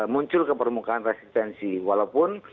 muncul ke permukaan resistensi walaupun